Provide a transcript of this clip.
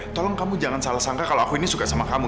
tolong kamu jangan salah sangka kalau aku ini suka sama kamu